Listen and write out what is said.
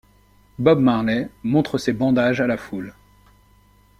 Bob Marley montre ses bandages à la foule.